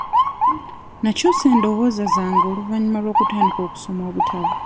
Nakyusa endowooza zange oluvannyuma lw'okutandika okusoma obutabo.